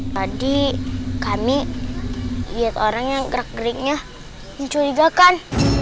tadi kami lihat orang yang gerak geriknya mencurigakan